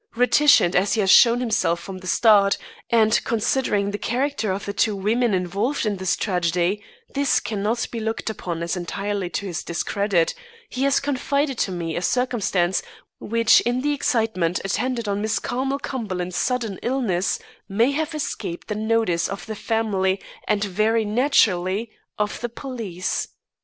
Reticent as he has shown himself from the start, and considering the character of the two women involved in this tragedy, this cannot be looked upon as entirely to his discredit, he has confided to me a circumstance, which in the excitement attendant on Miss Carmel Cumberland's sudden illness, may have escaped the notice of the family and very naturally, of the police.